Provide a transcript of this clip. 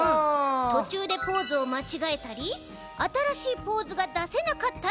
とちゅうでポーズをまちがえたりあたらしいポーズがだせなかったらしっぱい。